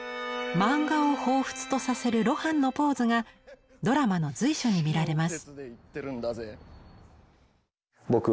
漫画を彷彿とさせる露伴のポーズがドラマの随所に見られます。